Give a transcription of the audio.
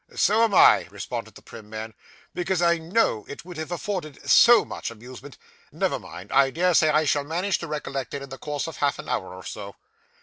'So am I,' responded the prim man, 'because I know it would have afforded so much amusement. Never mind; I dare say I shall manage to recollect it, in the course of half an hour or so.